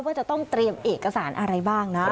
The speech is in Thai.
ว่าจะต้องเตรียมเอกสารอะไรบ้างนะ